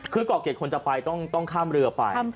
คือเกาะเก็ตคนจะไปต้องข้ามเรือไป